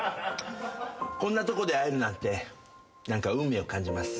こんなとこで会えるなんて何か運命を感じます。